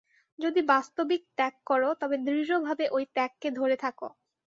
যদি বাস্তবিক ত্যাগ কর, তবে দৃঢ়ভাবে ঐ ত্যাগকে ধরে থাক।